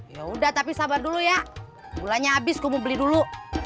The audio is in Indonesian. ya udah tapi sabar dulu ya gulanya habis kumuh beli dulu